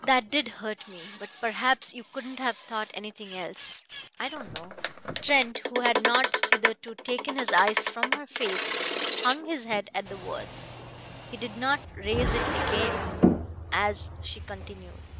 That did hurt me; but perhaps you couldn't have thought anything else I don't know." Trent, who had not hitherto taken his eyes from her face, hung his head at the words. He did not raise it again as she continued.